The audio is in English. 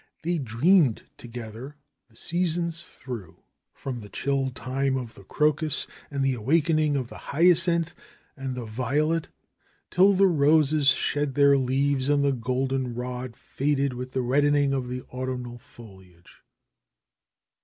They dreamed together the seasons through, 40 THE HERMIT OF SAGUENAY 41 from the chill time of the crocus and the awakening of the hyacinth and the violet till the roses shed their leaves and the golden rod faded with the reddening of the autumnal foliage.